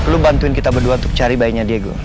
lu bantuin kita berdua untuk cari bayinya diego